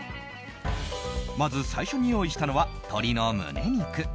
まず最初に用意したのは鶏の胸肉。